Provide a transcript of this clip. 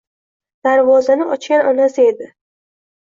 Darvozani ochgan onasi edi.